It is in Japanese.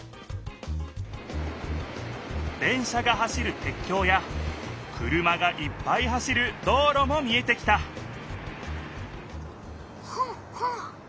電車が走るてっきょうや車がいっぱい走る道ろも見えてきたフガフガ。